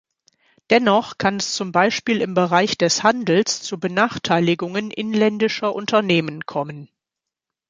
Dennoch kann es zum Beispiel im Bereich des Handels zu Benachteiligungen inländischer Unternehmen kommen.